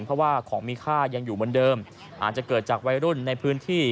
เพราะว่าของมีค่ายังอยู่เหมือนเดิมอาจจะเกิดจากวัยรุ่นในพื้นที่